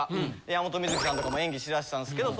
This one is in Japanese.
山本美月さんとかも演技しだしたんですけど